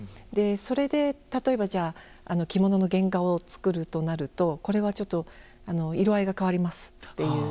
それで例えば着物の原画を作るとなるとこれはちょっと色合いが変わりますという。